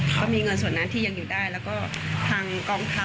ก็มีเงินส่วนนั้นที่ยังอยู่ได้แล้วก็ทางกองทัพ